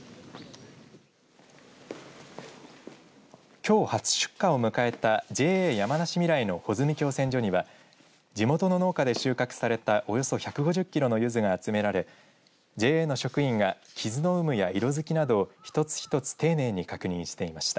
きょう初出荷を迎えたＪＡ山梨みらいの穂積共選所には地元の農家で収穫されたおよそ１５０キロのゆずが集められＪＡの職員が傷の有無や色づきなどをひとつひとつ丁寧に確認していました。